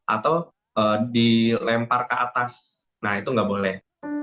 atau dilempar ke atas nah itu nggak boleh